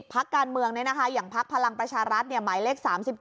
พักการเมืองอย่างพักพลังประชารัฐหมายเลข๓๗